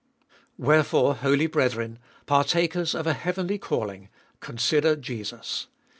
1. Wherefore holy brethren, partakers of a heavenly calling, consider Jesus.